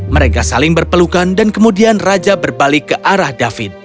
mereka saling berpelukan dan kemudian raja berbalik ke arah david